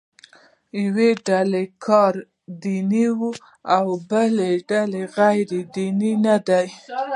د یوې ډلې کار دیني او د بلې غیر دیني نه دی.